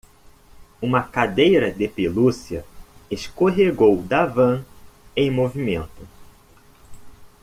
Uma cadeira de pelúcia escorregou da van em movimento.